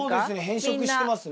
変色してますね。